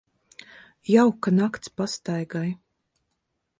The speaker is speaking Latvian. Jauka nakts pastaigai.